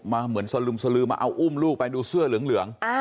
เหมือนสลึมสลือมาเอาอุ้มลูกไปดูเสื้อเหลือง